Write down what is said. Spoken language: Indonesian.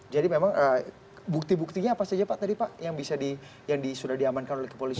jadi memang bukti buktinya apa saja pak tadi pak yang sudah diamankan oleh kepolisian